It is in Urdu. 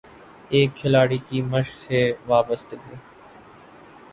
ایک کھلاڑی کی مشق سے وابستگی